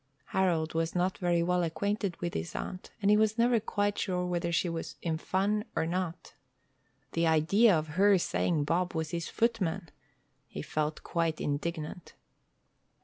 Harold was not very well acquainted with his aunt, and he was never quite sure whether she was in fun or not. The idea of her saying Bob was his footman! He felt quite indignant.